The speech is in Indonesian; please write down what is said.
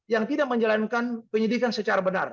yang tidak menjalankan penyidikan secara benar